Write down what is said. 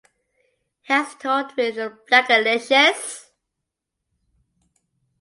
He has toured with Blackalicious.